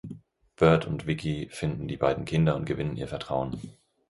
Burt und Vicky finden die beiden Kinder und gewinnen ihr Vertrauen.